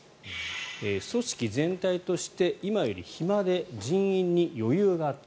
組織全体として今より暇で人員に余裕があった。